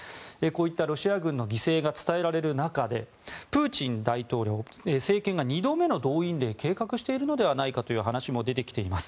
ロシア軍の犠牲が伝えられる中でプーチン大統領、政権が２度目の動員令を計画しているのではという話も出てきています。